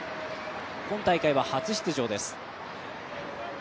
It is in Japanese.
今大会は、初出場です。